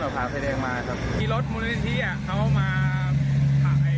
เราผ่าไฟแดงมาครับมีรถมูลนิธีอ่ะเขามาผ่าผ่า